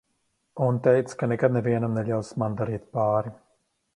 Un teica, ka nekad nevienam neļaus man darīt pāri.